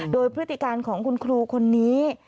โดยพฤติการของคุณครูคนนี้